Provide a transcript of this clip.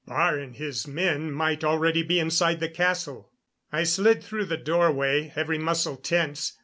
Baar and his men might already be inside the castle. I slid through the doorway, every muscle tense.